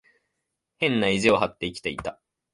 変な意地を張って生きていた。